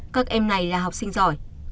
các em này là học sinh giỏi